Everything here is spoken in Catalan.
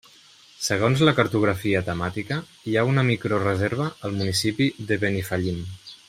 Segons la cartografia temàtica hi ha una microreserva al municipi de Benifallim.